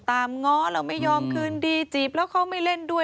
ง้อแล้วไม่ยอมคืนดีจีบแล้วเขาไม่เล่นด้วย